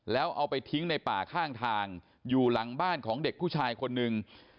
แล้วเอาไปทิ้งในป่าข้างทางอยู่หลังบ้านของเด็กผู้ชายคนหนึ่ง